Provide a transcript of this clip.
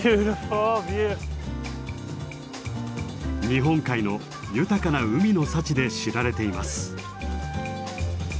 日本海の豊かな海の幸で知られています。